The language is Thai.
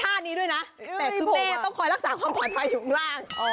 แต่คุณแม่ต้องคอยรักษาความผลัดภัยอยู่ข้างล่าง